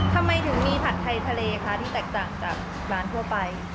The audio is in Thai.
ทำไมถึงมีผัดไทยทะเลคะที่แตกต่างจากร้านทั่วไป